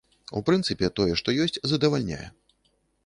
У прынцыпе, тое, што ёсць, задавальняе.